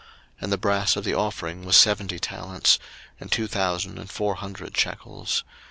02:038:029 And the brass of the offering was seventy talents, and two thousand and four hundred shekels.